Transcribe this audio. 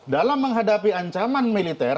dalam menghadapi ancaman militer